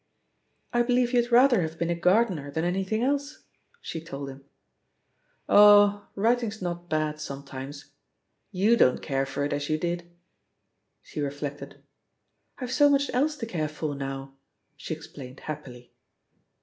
"I believe you'd rather have been a gardener than anything else," she told him. "Oh, writing's not bad sometimes, i^ « i^ QToit don't care for it as you did?" She reflected. "I've so much else to care for now," she explained happily.